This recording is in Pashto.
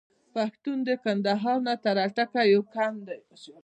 پښتون د کندهار نه تر اټکه یو قوم دی.